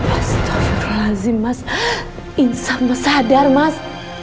astaghfirullahaladzim mas insya allah sadar mas